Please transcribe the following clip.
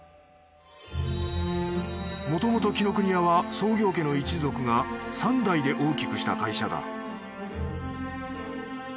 もともと紀ノ国屋は創業家の一族が３代で大きくした会社だ